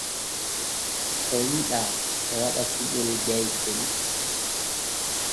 O yiɗaa o waɗa cuɓol jaykol.